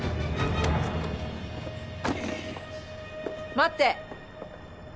待って。